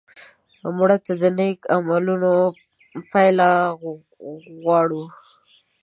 مړه ته د نیک عملونو پایله غواړو